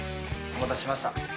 お待たせしました。